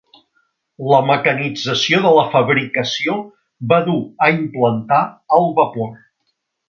La mecanització de la fabricació va dur a implantar el vapor.